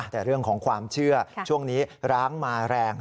แต่เรื่องของความเชื่อช่วงนี้ร้างมาแรง